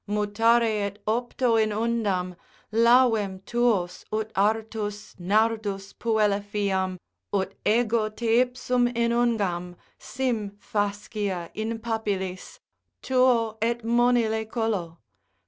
Mutari et opto in undam, Lavem tuos ut artus, Nardus puella fiam, Ut ego teipsum inungam, Sim fascia in papillis, Tuo et monile collo.